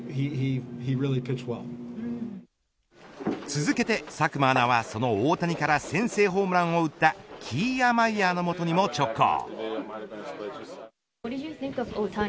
続けて佐久間アナはその大谷から先制ホームランを打ったキーアマイヤーの元にも直行。